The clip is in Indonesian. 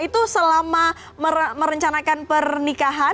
itu selama merencanakan pernikahan